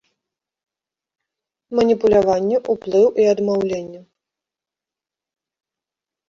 Маніпуляванне, уплыў і адмаўленне.